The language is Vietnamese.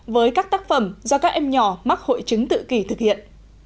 với các tác phẩm do các em nhỏ mắc hội chứng tự kỷ thực hiện